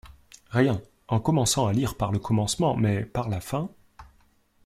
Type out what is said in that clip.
Rien, en commençant à lire par le commencement, mais par la fin...